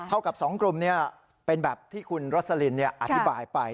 เท่ากับ๒กลุ่มเป็นแบบที่คุณรสลินอธิบายไป